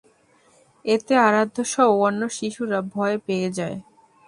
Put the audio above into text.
এতে আরাধ্যসহ অন্য শিশুরা ভয় পেয়ে যায়।